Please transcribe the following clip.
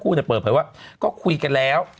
ก็คุยกันแล้ว